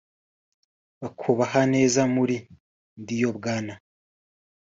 bakubaha neza muri “Ndiyo Bwana